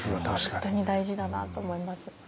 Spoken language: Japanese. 本当に大事だなと思います。